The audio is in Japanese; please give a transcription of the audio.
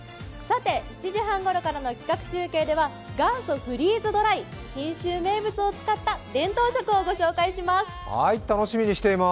７時半ごろからの企画中継では元祖フリーズドライ、信州名物を使った伝統食をご紹介します。